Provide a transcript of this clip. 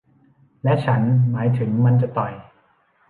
และฉันหมายถึงมันจะต่อย